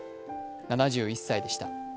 ７１歳でした。